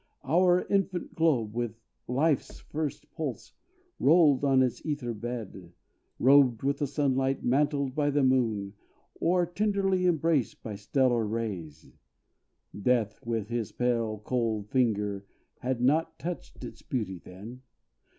Our infant globe, With life's first pulse, rolled in its ether bed, Robed with the sunlight, mantled by the moon, Or tenderly embraced by stellar rays: Death, with his pale, cold finger, had not touched Its beauty then.